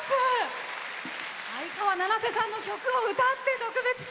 相川七瀬さんの曲を歌って特別賞。